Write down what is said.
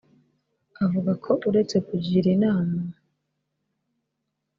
Avuga ko uretse kugira inama